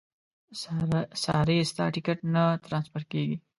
ساري ستا ټیکټ نه ټرانسفر کېږي.